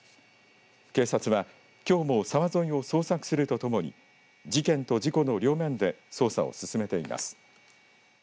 警察は、きょうも沢沿いを捜索するとともに事件と事故の両面で捜査を進めています。